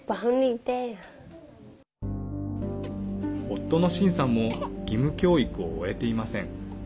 夫のシンさんも義務教育を終えていません。